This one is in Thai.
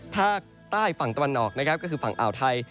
ภาคใต้ฝั่งตะวันออกนะครับก็คือฝั่งอ่าวไทย